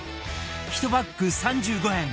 １パック３５円